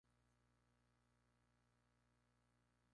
Ese verano tuvieron las primeras camisetas de Die Happy.